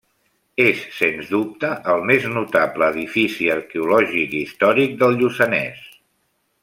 És sens dubte el més notable edifici arqueològic i històric del Lluçanès.